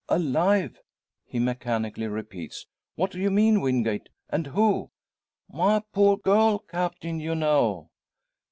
"Alive!" he mechanically repeats. "What do you mean, Wingate? And who?" "My poor girl, Captain. You know."